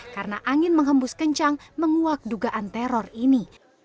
karena angin menghembus kencang menguak dugaan teror ini